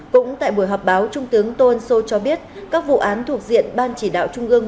cũng tại buổi họp báo trung tướng tô ân sô cho biết các vụ án thuộc diện ban chỉ đạo trung ương